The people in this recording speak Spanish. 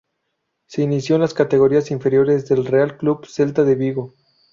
Se inició en las categorías inferiores del Real Club Celta de Vigo.